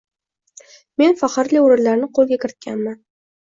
Men faxrli oʻrinlarni qoʻlga kiritganman.